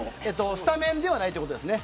スタメンではないということです。